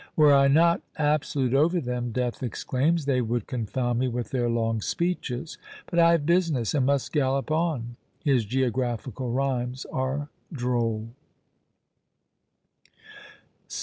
"Were I not absolute over them," Death exclaims, "they would confound me with their long speeches; but I have business, and must gallop on!" His geographical rhymes are droll.